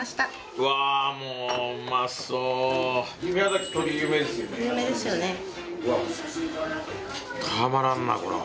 うわたまらんなこれは。